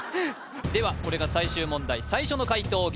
ではこれが最終問題最初の解答